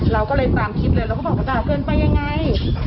เราก็เลยตามคลิปเลยเราก็บอกว่าจะเอาเกินไปยังไง